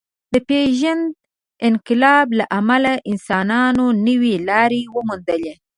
د پېژاند انقلاب له امله انسانانو نوې لارې وموندلې.